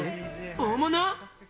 大物？